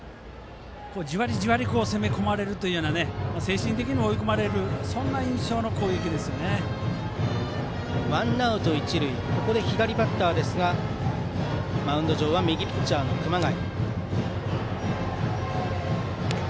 じわりじわり攻め込まれるという精神的にも追い込まれるワンアウト、一塁で左バッターですがマウンド上は右ピッチャーの熊谷。